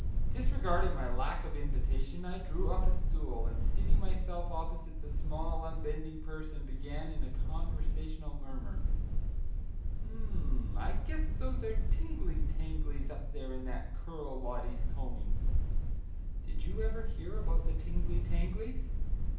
Disregarding my lack of invitation, I drew up a stool, and seating myself opposite the small unbending person, began in a conversational murmur: "M m, I guess those are tingly tanglies up there in that curl Lottie's combing; did you ever hear about the tingly tanglies?